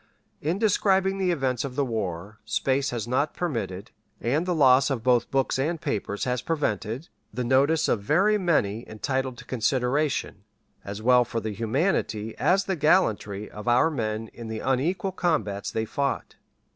In describing the events of the war, space has not permitted, and the loss of both books and papers has prevented, the notice of very many entitled to consideration, as well for the humanity as the gallantry of our men in the unequal combats they fought.